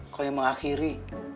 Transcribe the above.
kau yang mengakhiri